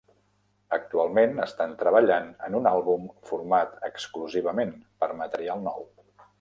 Actualment estan treballant en un àlbum format exclusivament per material nou.